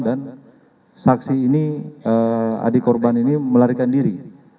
saksi ini adik korban ini melarikan diri